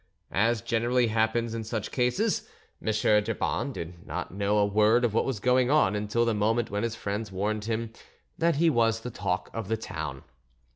As generally happens in such cases, M. d'Urban did not know a word of what was going on until the moment when his friends warned him that he was the talk of the town.